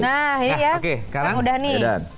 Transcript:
nah ini ya sekarang udah nih